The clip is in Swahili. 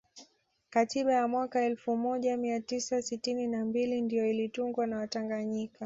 Katiba ya mwaka elfu moja mia tisa sitini na mbili ndiyo ilitungwa na watanganyika